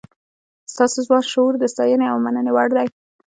ستاسو ځوان شعور د ستاینې او مننې وړ دی.